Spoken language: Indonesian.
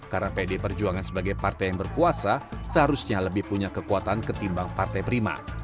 karena pd perjuangan sebagai partai yang berkuasa seharusnya lebih punya kekuatan ketimbang partai prima